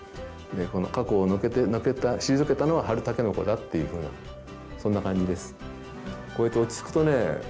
この過去を退けて退けたのは春筍だっていうふうなそんな感じです。